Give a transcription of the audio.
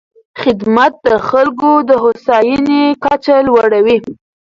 خدمت د خلکو د هوساینې کچه لوړوي.